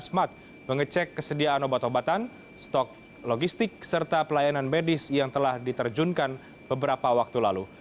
smart mengecek kesediaan obat obatan stok logistik serta pelayanan medis yang telah diterjunkan beberapa waktu lalu